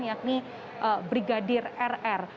yakni brigadir rr